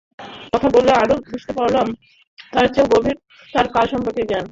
কথা বলে আরও বুঝতে পারলাম, তার চেয়েও গভীর তার কাজ সম্পর্কে জ্ঞান।